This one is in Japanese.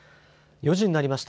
４時になりました。